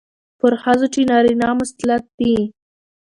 پر ښځو چې نارينه مسلط دي،